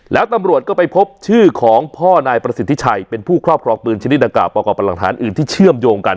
แล้วตำรวจก็ไปพบชื่อของพ่อนายประสิทธิชัยเป็นผู้ครอบครองปืนชนิดดังกล่าประกอบกับหลักฐานอื่นที่เชื่อมโยงกัน